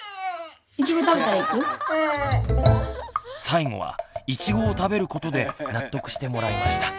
最後はいちごを食べることで納得してもらいました。